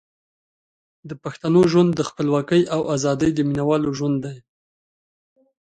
د پښتنو ژوند د خپلواکۍ او ازادۍ د مینوالو ژوند دی.